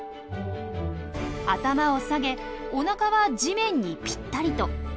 頭を下げおなかは地面にピッタリと。